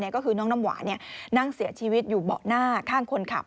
ก็คือน้องน้ำหวานนั่งเสียชีวิตอยู่เบาะหน้าข้างคนขับ